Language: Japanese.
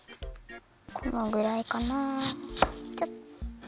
このぐらいかなあちょっと。